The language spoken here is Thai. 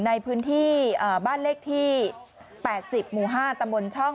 ในพื้นที่บ้านเลขที่๘๐หมู่๕ตำบลช่อง